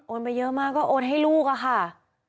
ไปเยอะมากก็โอนให้ลูกอะค่ะ